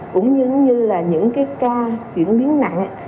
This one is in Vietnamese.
cũng như là những cái ca chuyển biến nặng ấy